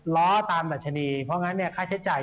ล้อตามดัชนีเพราะงั้นเนี่ยค่าใช้จ่าย